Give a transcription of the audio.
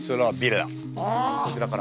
こちらから。